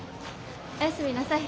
お休みなさい。